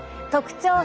特徴